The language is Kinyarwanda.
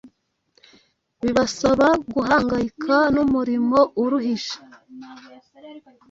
bibasaba guhangayika n’umurimo uruhije.